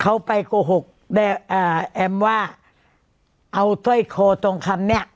เขาไปโกหกได้อ่าแอมว่าเอาสร้อยคอทองคำเนี้ย